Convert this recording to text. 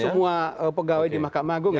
ya semua pegawai di mahkamah agung ya